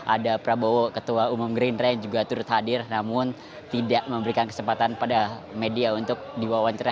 ada prabowo ketua umum gerindra yang juga turut hadir namun tidak memberikan kesempatan pada media untuk diwawancara